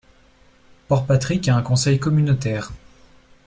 Portpatrick a un conseil communautaire.